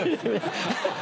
ハハハ。